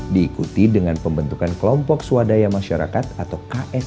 diikuti dengan pembentukan kelompok suadaya masyarakat atau ksm bina sejahtera